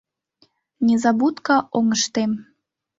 Незабудка оҥыштем.